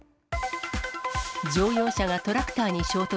乗用車がトラクターに衝突。